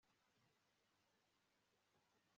Gusinzira byamuteye amayeri